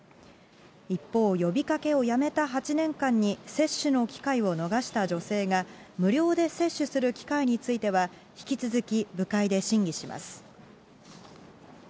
一方、呼びかけをやめた８年間に接種の機会を逃した女性が無料で接種する機会については、引き続き部会で審議します。